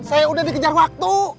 saya udah dikejar waktu